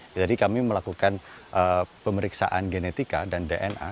kami melakukan pemeriksaan genetika dan dna